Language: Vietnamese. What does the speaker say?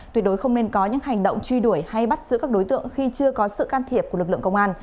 tuyệt đối không nên có những hành động truy đuổi hay bắt giữ các đối tượng khi chưa có sự can thiệp của lực lượng công an